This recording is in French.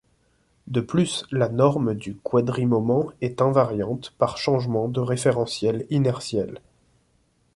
De plus, la norme du quadri-moment est invariante par changement de référentiel inertiel.